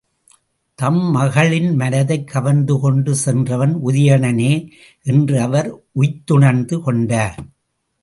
தம் மகளின் மனத்தைக் கவர்ந்துகொண்டு சென்றவன் உதயணனே என்று அவர் உய்த்துணர்ந்து கொண்டார்.